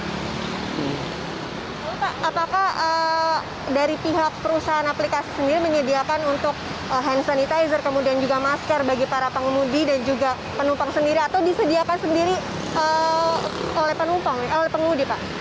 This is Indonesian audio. pak apakah dari pihak perusahaan aplikasi sendiri menyediakan untuk hand sanitizer kemudian juga masker bagi para pengemudi dan juga penumpang sendiri atau disediakan sendiri oleh penumpang oleh pengemudi pak